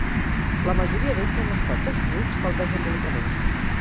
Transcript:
La majoria d'ells han estat destruïts pel desenvolupament.